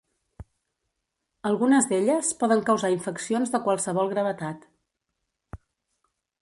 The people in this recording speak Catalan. Algunes d'elles poden causar infeccions de qualsevol gravetat.